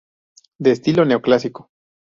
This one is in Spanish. De estilo neoclásico.